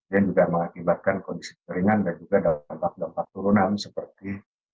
dan juga mengakibatkan kondisi keringan dan juga dampak dampak turunan seperti